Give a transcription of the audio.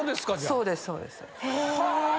そうですそうです。